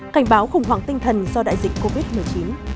cảnh báo khủng hoảng tinh thần do đại dịch covid một mươi chín